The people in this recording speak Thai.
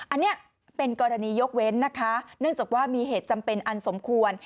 อันนี้เป็นกรณียกเว้นนะคะเนื่องจากว่ามีเหตุจำเป็นอันสมควร